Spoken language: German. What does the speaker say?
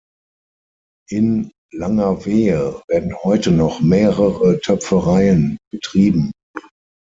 In Langerwehe werden heute noch mehrere Töpfereien betrieben.